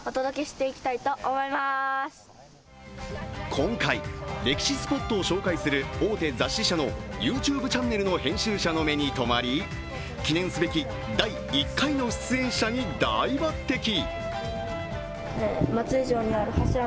今回、歴史スポットを紹介する大手雑誌社のＹｏｕＴｕｂｅチャンネルの編集者の目にとまり記念すべき第１回の出演者に大抜てき。